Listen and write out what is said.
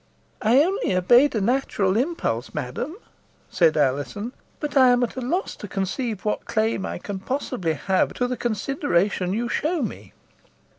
"I only obeyed a natural impulse, madam," said Alizon; "but I am at a loss to conceive what claim I can possibly have to the consideration you show me."